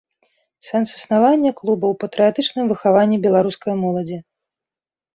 Сэнс існавання клуба ў патрыятычным выхаванні беларускай моладзі.